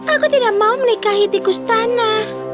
aku tidak mau menikahi tikus tanah